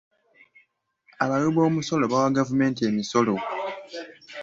Abawiboomusolo bawa gavumenti emisolo